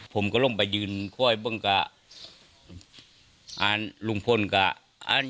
ผมก็ลงมายืนพ่ออื่นเลยลูงพ่นก็